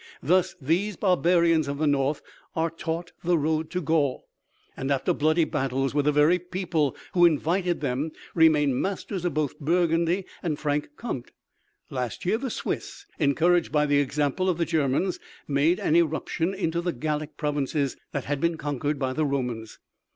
Thus these barbarians of the North are taught the road to Gaul, and after bloody battles with the very people who invited them, remain masters of both Burgundy and Frank Compté. Last year, the Swiss, encouraged by the example of the Germans, make an irruption into the Gallic provinces that had been conquered by the Romans.